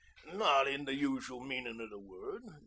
"Not in the usual meaning of the word.